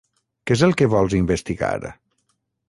Què és el que vols investigar?